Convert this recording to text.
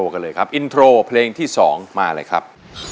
กันเลยครับอินโทรเพลงที่๒มาเลยครับ